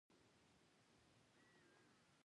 هولمز د مجسمې ټوټې په دقت سره وکتلې.